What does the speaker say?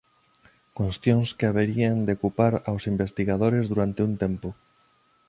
Cuestións que haberían de ocupar aos investigadores durante un tempo.